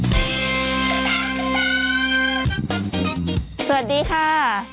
สวัสดีค่ะ